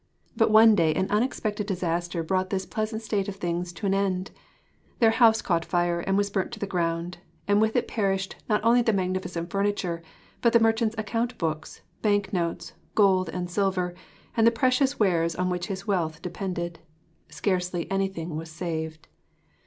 But one day an unexpected disaster brought this pleasant state of things to an end. Their house caught fire and was burnt to the ground; and with it perished not only the magnificent furniture, but the merchant's account books, bank notes, gold and silver, and the precious wares on which his wealth depended. Scarcely anything was saved.